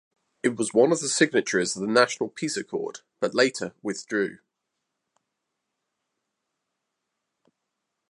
It was one of the signatories of the National Peace Accord, but later withdrew.